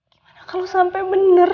gimana kalau sampai bener